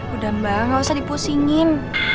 udah mbak nggak usah dipusingin